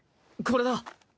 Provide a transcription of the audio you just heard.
これだ。